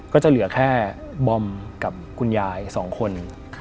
ก็จะเหลือแค่บอมกับคุณยาย๒คน